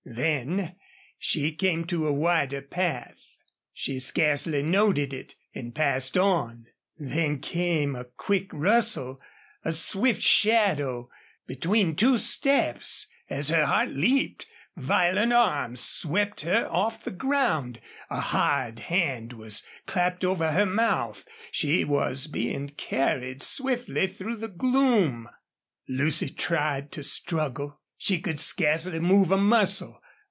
Then she came to a wider path. She scarcely noted it and passed on. Then came a quick rustle a swift shadow. Between two steps as her heart leaped violent arms swept her off the ground. A hard hand was clapped over her mouth. She was being carried swiftly through the gloom. Lucy tried to struggle. She could scarcely move a muscle.